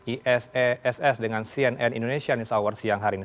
iss dengan cnn indonesian news awards siang hari ini